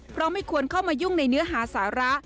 เพราะไม่ควรเข้ามายุ่งในเนื้อหาสาระ